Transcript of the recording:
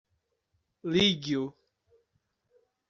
Ligue-o.